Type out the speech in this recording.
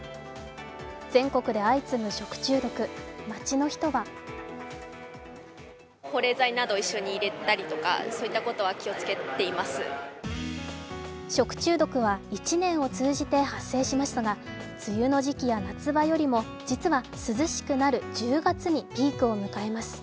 全国で相次ぐ食中毒、街の人は食中毒は１年を通じて発生しますが梅雨の時期や夏場よりも実は涼しくなる１０月にピークを迎えます。